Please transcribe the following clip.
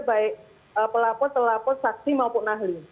baik pelapor pelapor saksi maupun ahli